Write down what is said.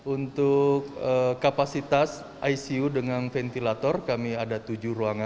untuk kapasitas icu dengan ventilator kami ada tujuh ruangan